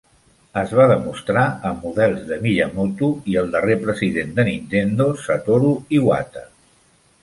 Es va demostrar amb models de Miyamoto i el darrer president de Nintendo, Satoru Iwata.